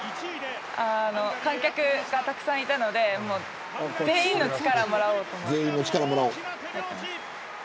観客がたくさんいたので全員の力をもらおうと。